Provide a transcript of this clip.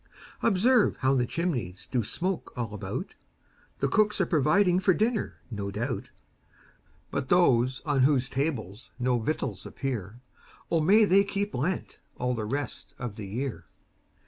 Observe how the chimneys Do smoke all about; The cooks are providing For dinner, no doubt; But those on whose tables No victuals appear, O may they keep Lent All the rest of the year.